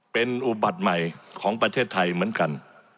เป็นอุบัติใหม่ของประเทศไทยเหมือนกัน